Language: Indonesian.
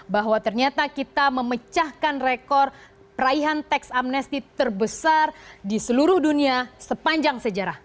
bahwa ternyata kita memecahkan rekor peraihan teks amnesty terbesar di seluruh dunia sepanjang sejarah